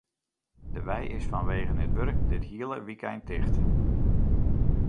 De wei is fanwegen it wurk dit hiele wykein ticht.